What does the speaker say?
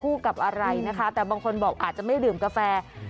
กับอะไรนะคะแต่บางคนบอกอาจจะไม่ดื่มกาแฟ